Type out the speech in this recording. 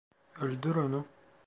Öldür onu.